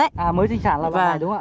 à mới sinh sản là con này đúng ạ